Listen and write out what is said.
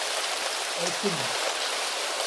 Rkem.